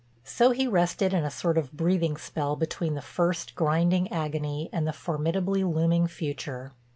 So he rested in a sort of breathing spell between the first, grinding agony and the formidably looming future.